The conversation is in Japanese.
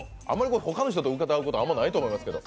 他の人と歌うことあんまりないと思いますけど。